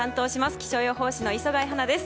気象予報士の磯貝初奈です。